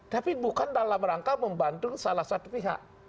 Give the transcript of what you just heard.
tapi bukan dalam rangka membantu salah satu pihak